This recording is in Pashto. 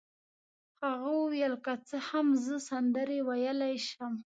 هغه وویل: که څه هم زه سندرې ویلای شم.